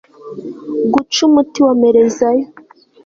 guca umuti wa mperezayo